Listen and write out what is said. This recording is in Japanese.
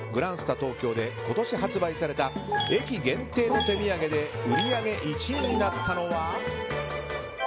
東京で今年発売された駅限定の手土産で売り上げ１位になったのは。